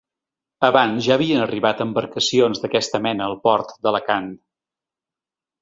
Abans ja havien arribat embarcacions d’aquesta mena al port d’Alacant.